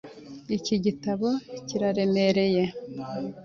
Iki gitabo kiraremereye .